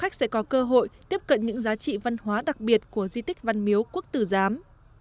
khách sẽ có cơ hội tiếp cận những giá trị văn hóa đặc biệt của di tích văn miếu quốc tử giám